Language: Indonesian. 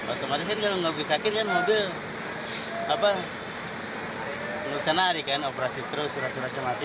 otomatis kan kalau nggak bisa akhir kan mobil apa nusana hari kan operasi terus surat surat kematian gitu